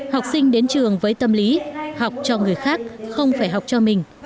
học sinh đến trường với tâm lý học cho người khác không phải học cho mình